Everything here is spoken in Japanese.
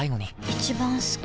一番好き